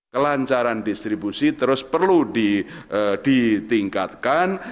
kelancaran distribusi terus perlu ditingkatkan